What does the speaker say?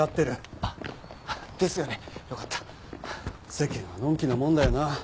世間はのんきなもんだよな。